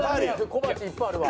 小鉢いっぱいあるわ。